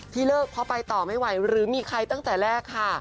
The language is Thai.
เลิกเพราะไปต่อไม่ไหวหรือมีใครตั้งแต่แรกค่ะ